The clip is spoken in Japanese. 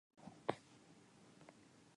skskksksksks